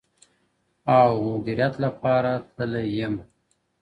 او مدیریت لپاره تللی یم